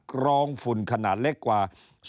กรองฝุ่นขนาดเล็กกว่า